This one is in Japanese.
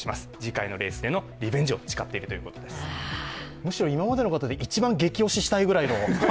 むしろ今までの方で一番ゲキ推ししたいくらいの。